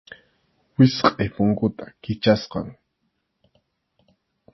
Wichqʼay punkuta Kichasqam.